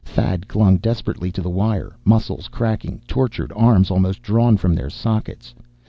Thad clung desperately to the wire, muscles cracking, tortured arms almost drawn from their sockets.